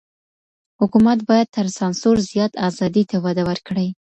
حکومت بايد تر سانسور زيات ازادۍ ته وده ورکړي.